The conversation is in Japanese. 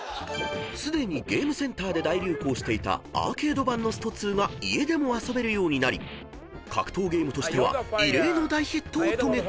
［すでにゲームセンターで大流行していたアーケード版の『ストⅡ』が家でも遊べるようになり格闘ゲームとしては異例の大ヒットを遂げた］